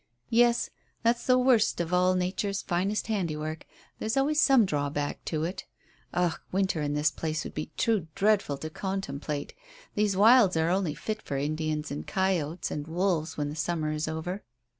"Yes; that's the worst of all Nature's finest handiwork. There's always some drawback to it. Ugh, winter in this place would be too dreadful to contemplate. These wilds are only fit for Indians and coyotes and wolves when the summer is over."